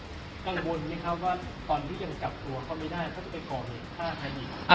กังวลนะครับว่าตอนที่ยังจับหัวเค้าไม่ได้เค้าจะไปก่อเหตุภาพอีก